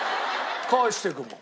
返していくもん。